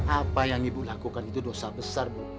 apa yang ibu lakukan itu dosa besar bu